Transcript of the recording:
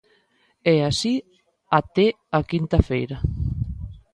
E así até a quinta feira.